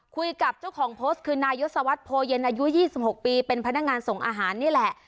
คุยกับเจ้าของโพสต์คือนายศวรรษโพเย็นอายุ๒๖ปีเป็นพนักงานส่งอาหารนี่แหละ